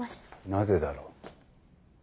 なぜだろう？